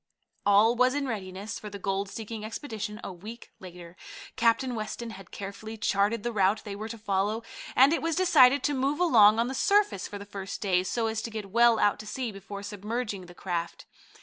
All was in readiness for the gold seeking expedition a week later. Captain Weston had carefully charted the route they were to follow, and it was decided to move along on the surface for the first day, so as to get well out to sea before submerging the craft.